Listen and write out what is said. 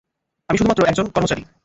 আমি শুধুমাত্র একজন কর্মচারি।